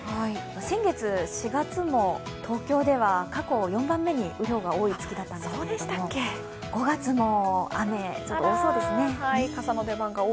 先月４月も、東京では過去４番目に雨量が多い月だったんですけれども５月も雨、ちょっと多そうですね。